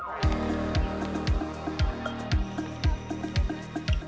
selamat mengalami kak wilda